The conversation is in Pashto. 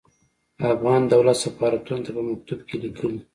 افغان دولت سفارتونو ته په مکتوب کې ليکلي.